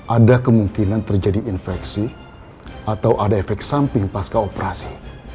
ada kemungkinan terjadi infeksi atau ada efek samping pasca operasi